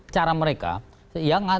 cara mereka yang